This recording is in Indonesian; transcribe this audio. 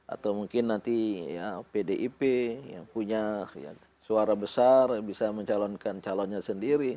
atau mungkin nanti pdip yang punya suara besar bisa mencalonkan calonnya sendiri